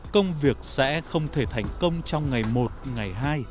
công việc sẽ không thể thành công trong ngày một ngày hai